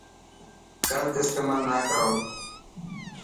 گلت استيمال نا ڪرو.